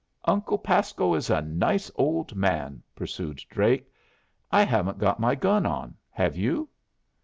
"Uncle Pasco is a nice old man!" pursued Drake. "I haven't got my gun on. Have you?"